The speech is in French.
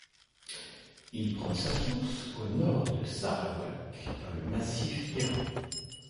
Il prend sa source au nord de Sarawak dans le massif Iran.